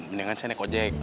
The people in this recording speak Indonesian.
mendingan saya nekojek